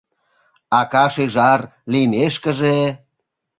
Ака-шӱжар лиймешкыже